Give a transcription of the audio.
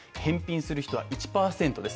返品する人は１％です